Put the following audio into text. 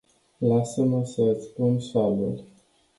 Lasa-ma sa iti pun salul.